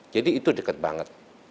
jadi itu dekat banget